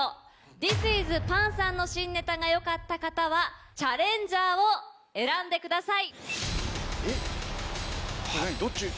ＴＨＩＳＩＳパンさんの新ネタが良かった方は「チャレンジャー」を選んでください。